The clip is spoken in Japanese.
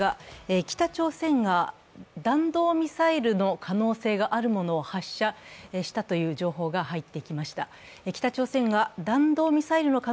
北朝鮮が弾道ミサイルの可能性があるものを発射したという情報が入ってきました。